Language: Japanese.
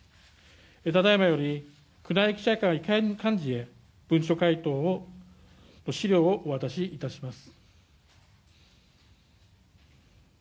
ただいまより、宮内記者会幹事へ文書回答を、資料をお渡しいたします。